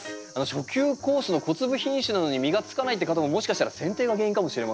初級コースの小粒品種なのに実がつかないって方ももしかしたらせん定が原因かもしれませんよね。